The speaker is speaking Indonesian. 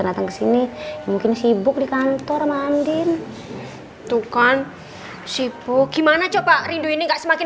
datang ke sini mungkin sibuk di kantor mandin tuh kan sibuk gimana coba rindu ini enggak semakin